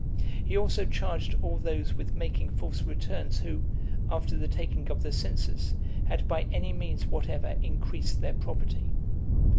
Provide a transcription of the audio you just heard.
He also charged all those with making false returns, who, after the taking of the census, had by any means whatever increased their property.